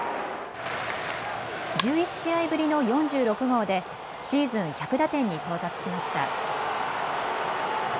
１１試合ぶりの４６号でシーズン１００打点に到達しました。